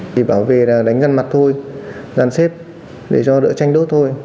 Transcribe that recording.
thì bảo vệ là đánh dần mặt thôi dàn xếp để cho đỡ tranh đốt thôi